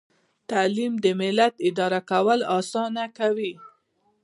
تعلیم د ملت اداره کول اسانه کوي.